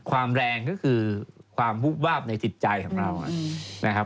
ความแรงก็คือความหุบวาบในติดใจของเรา